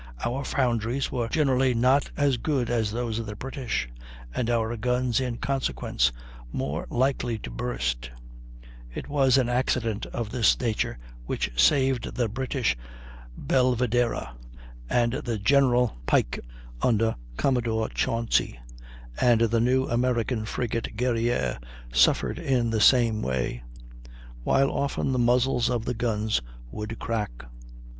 Our foundries were generally not as good as those of the British, and our guns, in consequence, more likely to burst; it was an accident of this nature which saved the British Belvidera; and the General Pike, under Commodore Chauncy, and the new American frigate Guerrière suffered in the same way; while often the muzzles of the guns would crack.